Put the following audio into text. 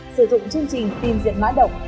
sử dụng chương trình tin diện mã động